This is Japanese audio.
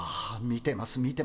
見てます